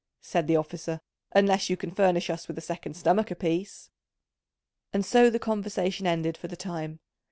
said the officer, "unless you can furnish us with a second stomach apiece." And so the conversation ended for the time.